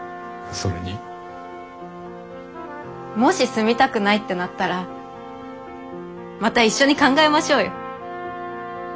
もし住みたくないってなったらまた一緒に考えましょうよ。